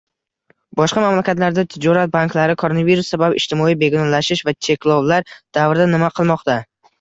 Boshqa mamlakatlarda tijorat banklari koronavirus sabab ijtimoiy begonalashish va cheklovlar davrida nima qilmoqda?